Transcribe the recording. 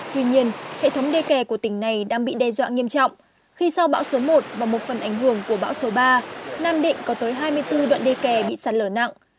tuy nhiên hệ thống đê kè của tỉnh này đang bị đe dọa nghiêm trọng khi sau bão số một và một phần ảnh hưởng của bão số ba nam định có tới hai mươi bốn đoạn đê kè bị sạt lở nặng